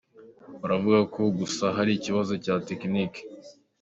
Baravuga ko gusa hari ibibazo bya tekiniki.